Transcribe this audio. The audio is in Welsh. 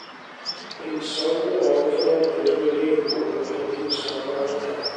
Hinsawdd Môr y Canoldir Dwyreiniol yw hinsawdd yr ardal.